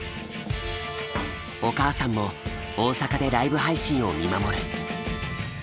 お母さんも大阪でライブ配信を見守る。